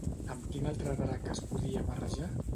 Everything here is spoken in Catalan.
Amb quin altre drac es podia barrejar?